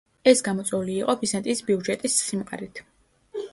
ეს გამოწვეული იყო ბიზანტიის ბიუჯეტის სიმყარით.